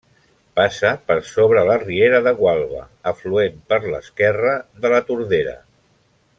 Passa per sobre la riera de Gualba, afluent per l'esquerra de la Tordera.